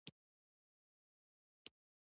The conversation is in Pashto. په جنوب او قبایلي سیمو کې توزېع کولې.